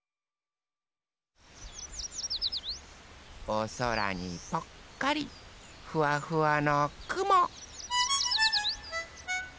おそらにぽっかりフワフワのくも。